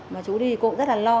mà chú đi cũng rất là lo